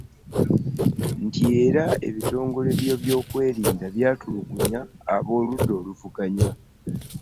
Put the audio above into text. Nti era ebitongole by'ebyokwerinda byatulugunya ab'oludda oluvuganya